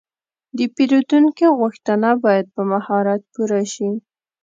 د پیرودونکي غوښتنه باید په مهارت پوره شي.